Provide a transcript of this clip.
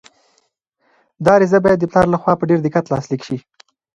دا عریضه باید د پلار لخوا په ډېر دقت لاسلیک شي.